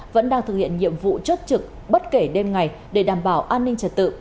vẫn đang thực hiện nhiệm vụ chốt trực bất kể đêm ngày để đảm bảo an ninh trật tự